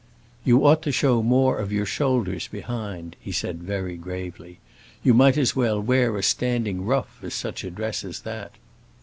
"You ought to show more of your shoulders behind," he said very gravely. "You might as well wear a standing ruff as such a dress as that."